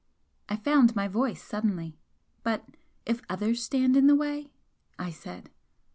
I found my voice suddenly. "But if others stand in the way?" I said.